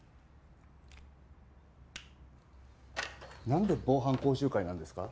何で防犯講習会なんですか？